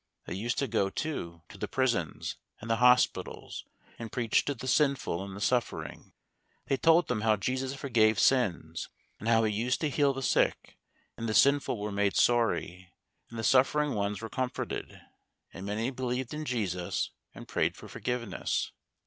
They used to go, too, to the prisons, and the hospitals, and preach to the sinful and the suffering. They told them how Jesus forgave sins, and how He used to heal the sick; and the sinful were made sorry, and the suffering ones were comforted, and many believed in Jesus and prayed for forgiveness.